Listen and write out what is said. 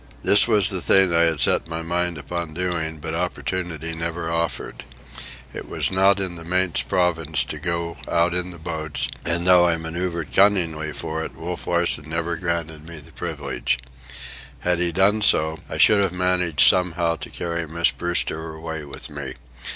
This was the thing I had set my mind upon doing, but the opportunity never offered. It was not in the mate's province to go out in the boats, and though I manœuvred cunningly for it, Wolf Larsen never granted me the privilege. Had he done so, I should have managed somehow to carry Miss Brewster away with me.